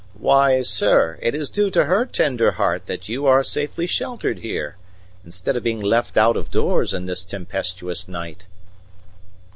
Why, sir, it is due to her tender heart that you are safely sheltered here, instead of being left out of doors in this tempestuous night."